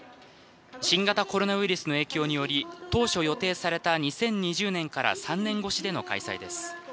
新型コロナウイルスの影響により当初予定された２０２０年から３年越しでの開催です。